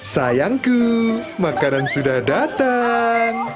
sayangku makanan sudah datang